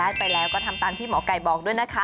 ได้ไปแล้วก็ทำตามที่หมอไก่บอกด้วยนะคะ